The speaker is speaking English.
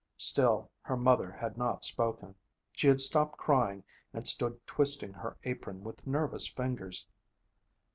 Still her mother had not spoken. She had stopped crying and stood twisting her apron with nervous fingers.